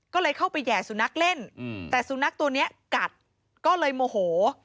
ก็เลยเข้าไปแห่สุนัขเล่นแต่สุนัขตัวนี้กัดก็เลยโมโห